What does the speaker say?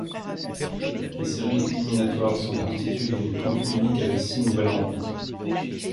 Les séries éliminatoires sont constituées d'une poule unique avec six nouvelles rencontres.